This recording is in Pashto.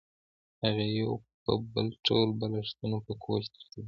هغې یو په یو ټول بالښتونه په کوچ ترتیب کړل